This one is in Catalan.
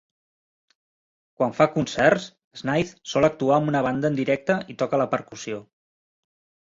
Quan fa concerts, Snaith sol actuar amb una banda en directe i toca la percussió.